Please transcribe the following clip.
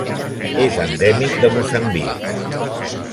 És endèmic de Moçambic.